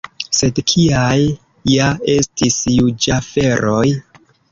Sed kiaj ja estis juĝaferoj?!